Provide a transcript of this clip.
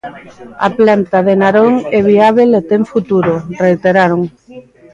"A planta de Narón é viábel e ten futuro", reiteraron.